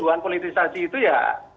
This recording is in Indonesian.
tujuan politisasi itu ya